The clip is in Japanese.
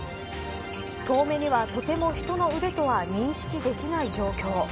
遠目にはとても人の腕とは認識できない状況。